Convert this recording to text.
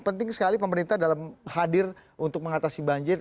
penting sekali pemerintah dalam hadir untuk mengatasi banjir